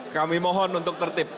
kami mohon untuk tertib